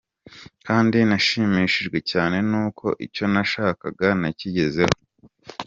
Kandi nashimishijwe cyane n’uko icyo nashakaga nakigezeho.